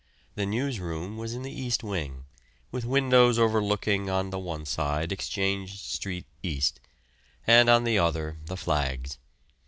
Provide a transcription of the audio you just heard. The newsroom was in the east wing, with windows overlooking on the one side Exchange Street East, and on the other the "flags."